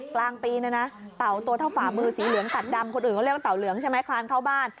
กลางปีนะนะเต่าตัวเท่าฝ่ามือสีเหลืองตัดดำคนอื่นเขาเรียกว่าเต่าเหลืองใช่ไหมคลานเข้าบ้าน